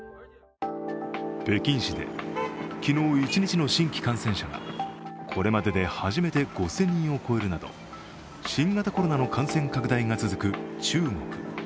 北京市で昨日一日の新規感染者はこれまでで初めて５０００人を超えるなど新型コロナの感染拡大が続く中国。